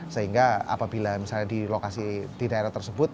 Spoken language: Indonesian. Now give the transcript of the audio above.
sehingga apabila misalnya di lokasi di daerah tersebut